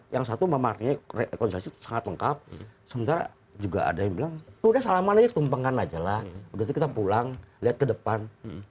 yang satu rekonsiliasi itu sangat lengkap sementara juga ada yang bilang udah salah mana ya tumpengkan aja lah udah kita pulang lihat ke depan